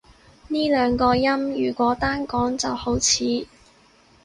呢兩個音如果單講就好似